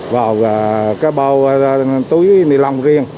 vào cái bầu túi nilon riêng